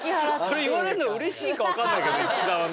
それ言われんのがうれしいか分かんないけど樹さんはね。